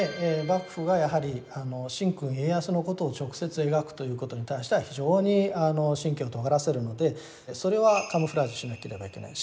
幕府はやはり神君家康のことを直接描くということに対しては非常に神経をとがらせるのでそれはカムフラージュしなければいけない。